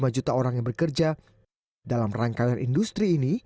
dua puluh lima juta orang yang bekerja dalam rangkaian industri ini